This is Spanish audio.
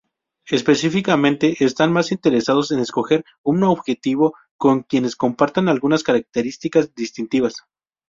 Específicamente, están más interesados en escoger un objetivo con quien compartan algunas características distintivas.